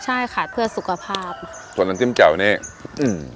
ใช่ค่ะเพื่อสุขภาพส่วนน้ำจิ้มแจ่วนี้อืม